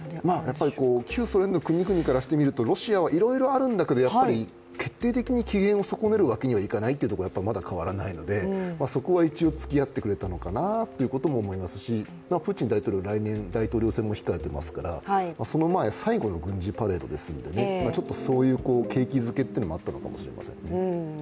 旧ソ連の国々からしてみると、ロシアはいろいろあるんですけどやっぱり決定的に機嫌を損ねるわけにはいかないというところはまだ変わらないのでそこは一応つきあってくれたのかなと思いますし、プーチン大統領来年大統領選も控えてますのでその前、最後の軍事パレードですからそういう景気づけというのもあったのかもしれません。